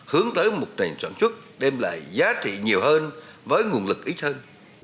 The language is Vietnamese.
hướng tới một trành sản xuất đem lại giá trị nhiều hơn với nguồn lực ít hơn